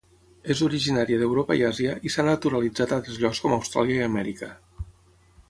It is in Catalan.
És originària d'Europa i Àsia i s'ha naturalitzat a altres llocs com Austràlia i Amèrica.